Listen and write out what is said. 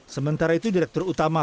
sementara itu direktur utama